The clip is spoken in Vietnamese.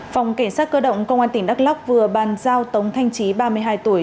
phòng kiểm soát cơ động công an tỉnh đắk lắk vừa ban giao tống thanh chí ba mươi hai tuổi